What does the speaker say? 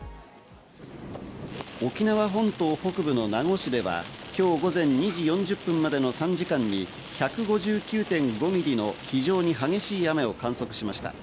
沖縄本島北部の名護市では、今日午前２時４０分までの３時間に１５９．５ミリの非常に激しい雨を観測しました。